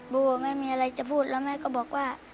โบไม่มีอะไรจะพูดแล้วแม่ก็บอกว่า